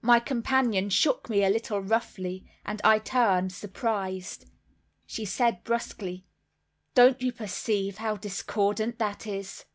My companion shook me a little roughly, and I turned surprised. She said brusquely, "Don't you perceive how discordant that is?"